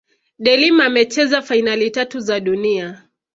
de Lima amecheza fainali tatu za dunia